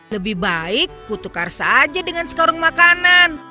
lebih baik kutukar saja dengan sekarung makanan